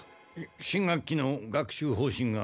新学期の学習方針が何か？